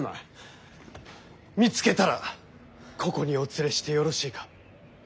見つけたらここにお連れしてよろしいか。